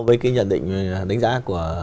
với cái nhận định đánh giá của